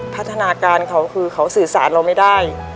พัฒนาการเขาคือเขาสื่อสารเราไม่ได้